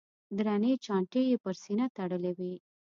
درنې چانټې یې پر سینه تړلې وې.